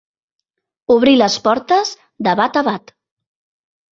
Obrir les portes de bat a bat.